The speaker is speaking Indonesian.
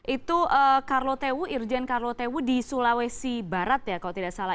itu irjen karlo tewu di sulawesi barat kalau tidak salah